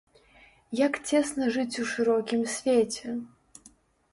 Як цесна жыць у шырокім свеце!